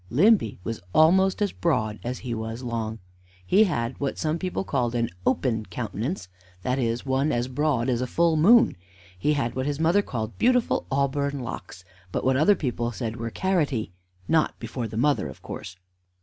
Limby was almost as broad as he was long. He had what some people called an open countenance that is, one as broad as a full moon. He had what his mother called beautiful auburn locks, but what other people said were carroty not before the mother, of course.